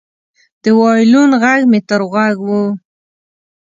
د وایلن غږ مې تر غوږ و